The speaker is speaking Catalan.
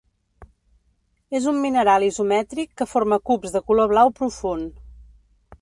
És un mineral isomètric que forma cubs de color blau profund.